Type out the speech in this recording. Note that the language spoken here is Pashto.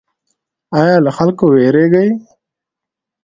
ایا له خلکو ویریږئ؟